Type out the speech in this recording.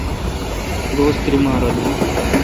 روز تئری ماہ رل این